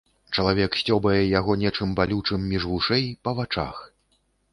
Чалавек сцёбае яго нечым балючым між вушэй, па вачах.